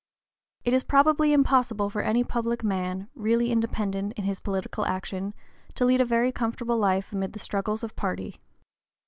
It is probably impossible for any public man, really independent in his political action, to lead a very comfortable life amid the struggles of party.